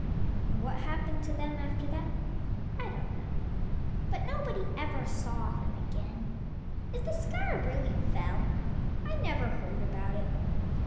And what happened to them after that I don't know, but nobody ever saw them again; if the sky really fell, I never heard about it.